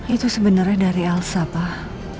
itu sebenarnya dari elsa pak